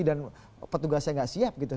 dan petugasnya gak siap gitu